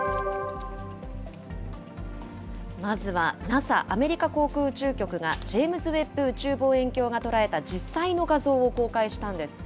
まずはＮＡＳＡ・アメリカ航空宇宙局が、ジェームズ・ウェップ宇宙望遠鏡が捉えた実際の画像を公開したんです。